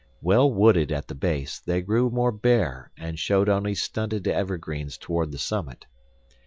Well wooded at the base, they grew more bare and showed only stunted evergreens toward the summit.